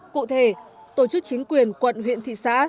cụ thể tổ chức chính quyền quận huyện thị xã